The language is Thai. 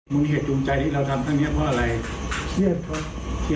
มุมเห็นหยุดจุงใจที่เราทำทั้งนี้เพราะอะไร